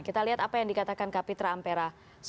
kita lihat apa yang dikatakan kapitra ampera soal pencapresan